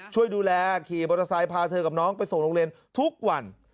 ช่วยดูแลขี่บริษัทพาเธอกับน้องไปส่งโรงเรียนทุกวัน